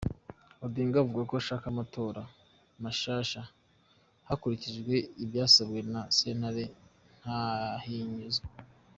Odinga avuga ko ashaka amatora mashasha hakurikijwe ivyasabwe na sentare ntahinyuzwa.